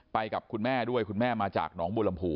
ไปกับคุณแม่ด้วยคุณแม่มาจากหนองบูรรมภู